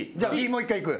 もう一回いく？